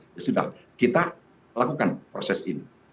ya sudah kita lakukan proses ini